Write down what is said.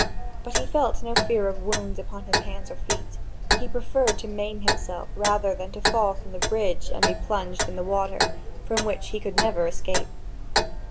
But he felt no fear of wounds upon his hands or feet; he preferred to maim himself rather than to fall from the bridge and be plunged in the water from which he could never escape.